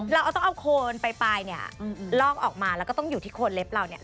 เราต้องเอาโคนปลายเนี่ยลอกออกมาแล้วก็ต้องอยู่ที่โคนเล็บเราเนี่ย